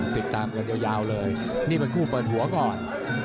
ติดตามกันยาวเลยนี่เป็นคู่เปิดหัวก่อน